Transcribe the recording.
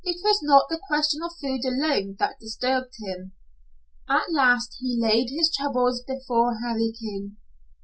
It was not the question of food alone that disturbed him. At last he laid his troubles before Harry King.